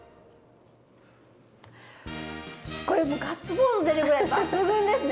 これもうガッツポーズ出るぐらい抜群ですね！